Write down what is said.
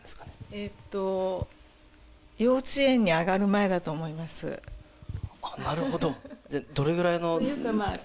えっと幼稚園にあがる前だと思いますあっなるほどじゃどれぐらいのというかまあ